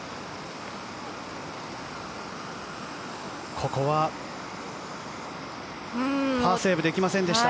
ここはパーセーブできませんでした。